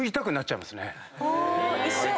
一緒。